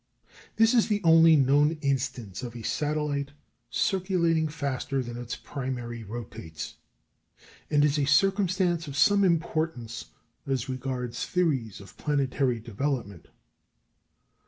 This is the only known instance of a satellite circulating faster than its primary rotates, and is a circumstance of some importance as regards theories of planetary development.